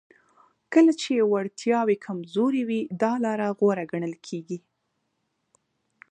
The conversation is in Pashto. کله چې وړتیاوې کمزورې وي دا لاره غوره ګڼل کیږي